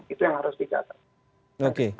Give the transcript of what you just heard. itu yang harus dikatakan